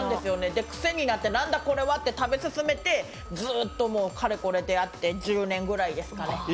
で、癖になってなんだこれはって食べ続けてずーっとかれこれ出会って１０年ぐらいですかね。